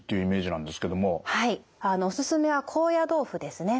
おすすめは高野豆腐ですね。